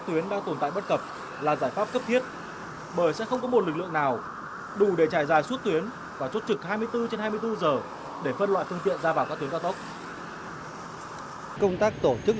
các tuyến đang tồn tại bất cập là giải pháp cấp thiết bởi sẽ không có một lực lượng nào đủ để trải dài suốt tuyến và chốt trực hai mươi bốn trên hai mươi bốn giờ để phân loại phương tiện ra vào các tuyến cao tốc